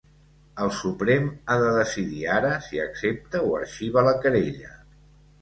El Suprem ha de decidir ara si accepta o arxiva la querella.